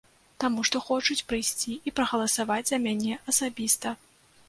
Таму што хочуць прыйсці і прагаласаваць за мяне асабіста.